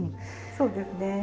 そうですね。